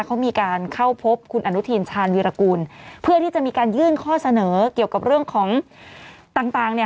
เขามีการเข้าพบคุณอนุทินชาญวีรกูลเพื่อที่จะมีการยื่นข้อเสนอเกี่ยวกับเรื่องของต่างต่างเนี่ย